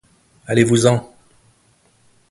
allez-vous-en!